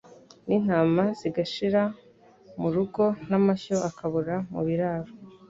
n'intama zigashira mu rugo, n'amashyo akabura mu biraro